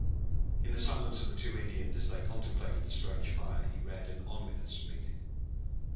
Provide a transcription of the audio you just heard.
In the silence of the two Indians as they contemplated the strange fire he read an ominous meaning.